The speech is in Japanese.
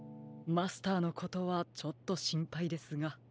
マスターのことはちょっとしんぱいですが。